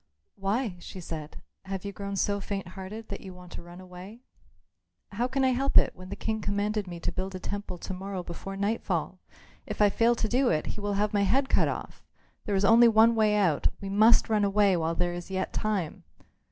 "Why," she said, "have you grown so faint hearted that you want to run away?" "How can I help it when the King commanded me to build a temple to morrow before nightfall? If I fail to do it, he will have my head cut off. There is only one way out. We must run away while there is yet time."